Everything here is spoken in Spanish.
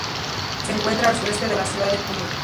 Se encuentra al sureste de la ciudad de Puyo.